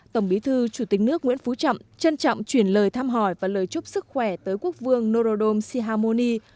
tổng bí thư chủ tịch nước nguyễn phú trọng trân trọng chuyển lời thăm hỏi và lời chúc sức khỏe tới quốc vương norodom sihamoni